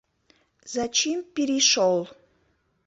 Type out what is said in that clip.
Зачим пиришёл?